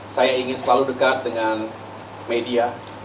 saya ingin selalu dekat dengan media